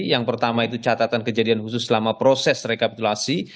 yang pertama itu catatan kejadian khusus selama proses rekapitulasi